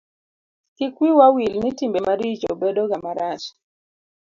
kik wiwa wil ni timbe maricho bedo ga marach